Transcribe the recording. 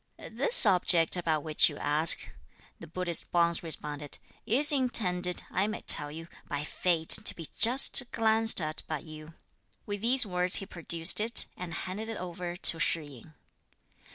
"This object about which you ask," the Buddhist Bonze responded, "is intended, I may tell you, by fate to be just glanced at by you." With these words he produced it, and handed it over to Shih yin.